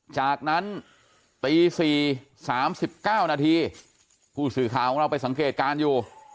จากนั้นตี๔๓๙นาทีผู้สื่อข่าวของเราไปสังเกตการณ์อยู่